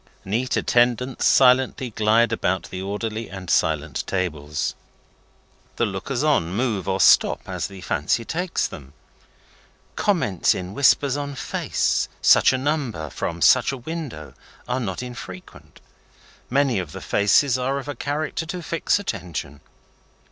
Neat attendants silently glide about the orderly and silent tables; the lookers on move or stop as the fancy takes them; comments in whispers on face such a number from such a window are not unfrequent; many of the faces are of a character to fix attention.